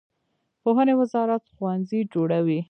پوهنې وزارت ښوونځي جوړوي